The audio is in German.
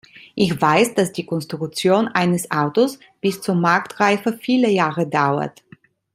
Ich weiß, dass die Konstruktion eines Autos bis zur Marktreife viele Jahre dauert.